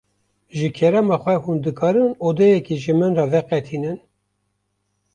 Ji kerema xwe hûn dikarin odeyekê ji min re veqetînin?